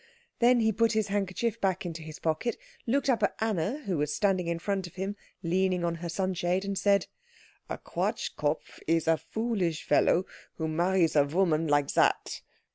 Then he put his handkerchief back into his pocket, looked up at Anna, who was standing in front of him leaning on her sunshade, and said, "A Quatschkopf is a foolish fellow who marries a woman like that."